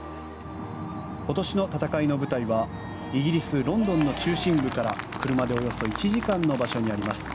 今年の戦いの舞台はイギリス・ロンドンの中心部から車でおよそ１時間の場所にあります